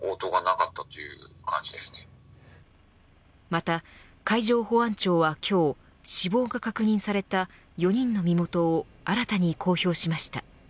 また、海上保安庁は今日死亡が確認された４人の身元を新たに公表しました。